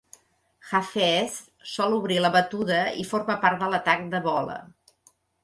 Hafeez sol obrir la batuda i forma part de l'atac de bola.